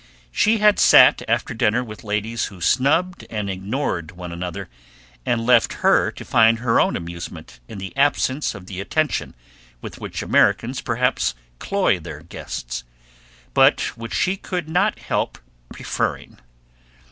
She had sat after dinner with ladies who snubbed and ignored one another, and left her to find her own amusement in the absence of the attention with which Americans perhaps cloy their guests, but which she could not help preferring.